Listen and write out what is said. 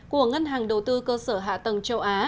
của ngân hàng đầu tư cơ sở hạ tầng châu á